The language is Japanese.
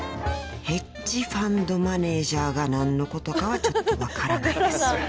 ［ヘッジファンドマネジャーが何のことかはちょっと分からないです］